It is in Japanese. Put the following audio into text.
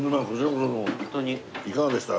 いかがでした？